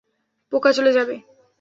পোকা চলে যাবে।